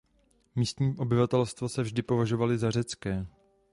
Místní obyvatelstvo se vždy považovali za řecké.